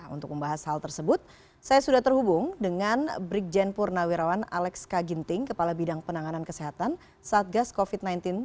untuk membahas hal tersebut saya sudah terhubung dengan brigjen purnawirawan alex kaginting kepala bidang penanganan kesehatan satgas covid sembilan belas